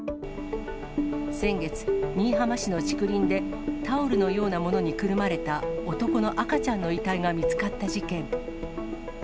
先月、新居浜市の竹林でタオルのようなものにくるまれた男の赤ちゃんの遺体が見つかった事件。